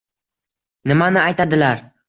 Nimani aytadilar!